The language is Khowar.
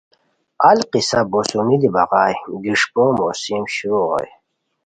القصہ بوسونی دی بغائے گریݰپو موسم شروع ہوئے